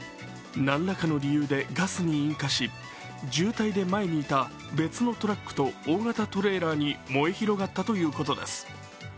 何らかの理由でガスに引火し渋滞で前にいた別のトラックと大型トレーラーに燃え広がったということです。